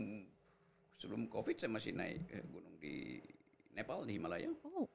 sebelum covid saya masih naik gunung di nepal di malaya